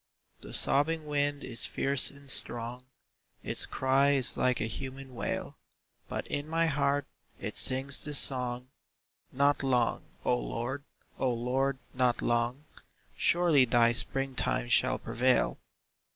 The sobbing wind is fierce and strong, Its cry is like a human wail, But in my heart it sings this song: "Not long, O Lord! O Lord, not long! Surely thy spring time shall prevail."